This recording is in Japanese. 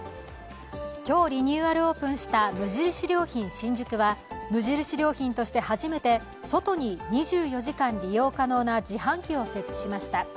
今日、リニューアルオープンした無印良品新宿は無印良品としては初めて外に２４時間利用可能な自販機を設置しました。